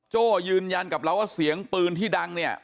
โจ้ยืนยันกับเราว่าเสียงปืนที่ดังเนี่ย